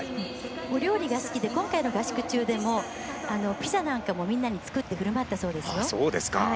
お料理が好きで今回の合宿中でもピザなんかもみんなに作ってふるまったそうですよ。